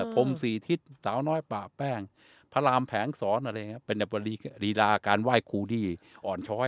ปะแป้งพระรามแผงสอนอะไรอย่างเงี้ยเป็นแบบว่ารีราการไหว้ครูดีอ่อนช้อย